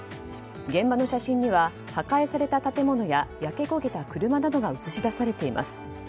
現場の写真には破壊された建物や焼け焦げた車などが映し出されています。